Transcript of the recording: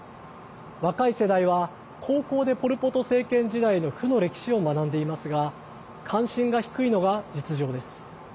若い世代は高校でポル・ポト政権時代の負の歴史を学んでいますが関心が低いのが実情です。